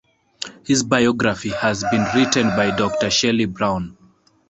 His biography has been written by Doctor Shelly Brown.